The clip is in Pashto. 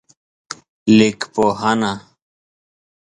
لیکپوهنه